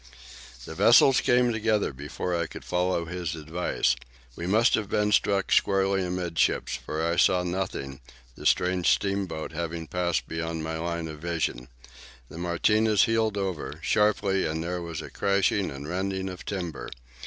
The vessels came together before I could follow his advice. We must have been struck squarely amidships, for I saw nothing, the strange steamboat having passed beyond my line of vision. The Martinez heeled over, sharply, and there was a crashing and rending of timber.